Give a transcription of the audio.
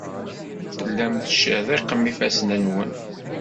Tellam tettcerriqem ifassen-nwen.